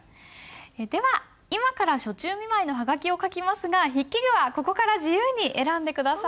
では今から暑中見舞いのハガキを書きますが筆記具はここから自由に選んで下さい。